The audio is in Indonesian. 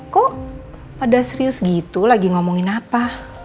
kok pada serius gitu lagi ngomongin apa